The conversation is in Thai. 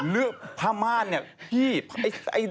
เหนือพามารนี้พี่